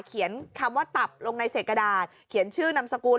เขียนคำว่าตับลงในเศษกระดาษเขียนชื่อนามสกุล